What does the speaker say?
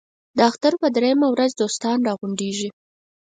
د اختر په درېیمه ورځ دوستان را غونډېږي.